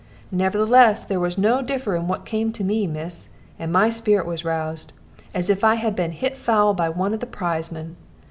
Nevertheless, there was no differ in what came to me, miss, and my spirit was roused, as if I had been hit foul by one of the prizemen.